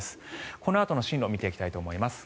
このあと進路を見ていきたいと思います。